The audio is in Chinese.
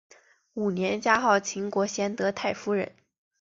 五年加号秦国贤德太夫人。